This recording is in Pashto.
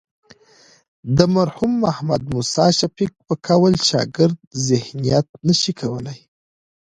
د مرحوم محمد موسی شفیق په قول شاګرد ذهنیت نه شي کولی.